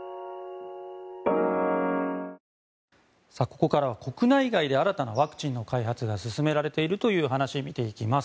ここからは国内外で新たなワクチンの開発が進められているという話を見ていきます。